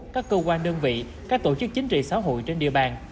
các cơ quan đơn vị các tổ chức chính trị xã hội trên địa bàn